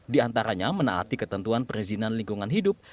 diantaranya menaati ketentuan perizinan lingkungan hidup